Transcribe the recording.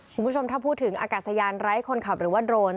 คุณผู้ชมถ้าพูดถึงอากาศยานไร้คนขับหรือว่าโดรน